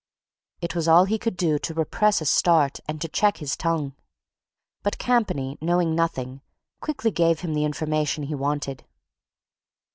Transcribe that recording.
It was all he could do to repress a start and to check his tongue. But Campany, knowing nothing, quickly gave him the information he wanted.